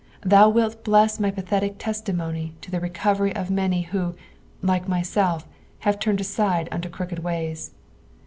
Thou wilt bless my pathetic testimony to the recovery of many who, tike myself, have turned aside unto crooked ways.